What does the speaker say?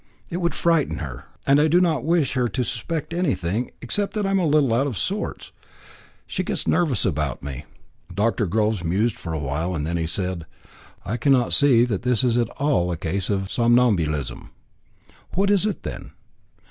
It would frighten her; and I do not wish her to suspect anything, except that I am a little out of sorts. She gets nervous about me." Dr. Groves mused for some while, then he said: "I cannot see that this is at all a case of somnambulism." "What is it, then?"